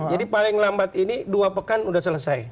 jadi paling lambat ini dua pekan sudah selesai